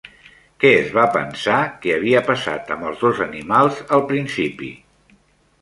Què es va pensar que havia passat amb els dos animals al principi?